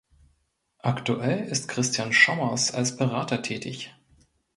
Aktuell ist Christian Schommers als Berater tätig.